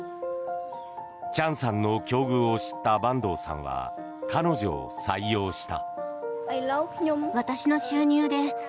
チャンさんの境遇を知った板東さんは彼女を採用した。